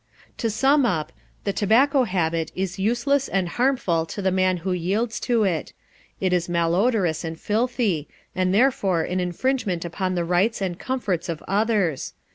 To sum up, the tobacco habit is useless and harmful to the man who yields to it; it is malodorous and filthy, and therefore an infringement upon the rights and comforts of others.